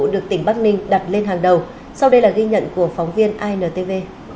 được tỉnh bắc ninh đặt lên hàng đầu sau đây là ghi nhận của phóng viên intv